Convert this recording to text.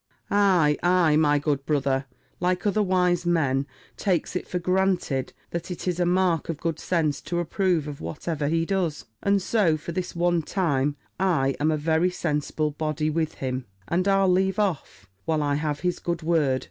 "Ay, ay, my good brother, like other wise men, takes it for granted that it is a mark of good sense to approve of whatever he does. And so, for this one time, I am a very sensible body with him And I'll leave off, while I have his good word.